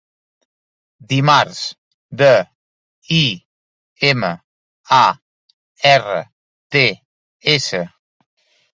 Dimarts: de, i, ema, a, erra, te, essa